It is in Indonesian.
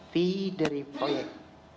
v dari proyek